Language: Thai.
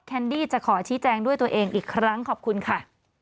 แนดี้จะขอชี้แจงด้วยตัวเองอีกครั้งขอบคุณค่ะ